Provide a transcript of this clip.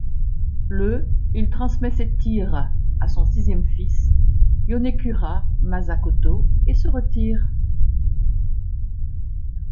Le il transmet ses tires à son sixième fils, Yonekura Masakoto et se retire.